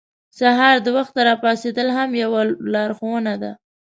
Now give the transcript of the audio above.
سهار د وخته راپاڅېدل هم یوه لارښوونه ده.